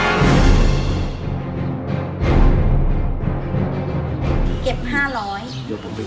เพื่อรักได้ความสำคัญของผู้หญิง